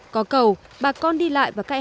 có cầu bà con đi lại và cãi hỏi